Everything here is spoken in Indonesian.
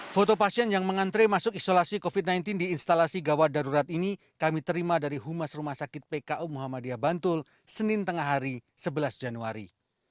foto pasien yang mengantre masuk isolasi covid sembilan belas di instalasi gawat darurat ini kami terima dari humas rumah sakit pku muhammadiyah bantul senin tengah hari sebelas januari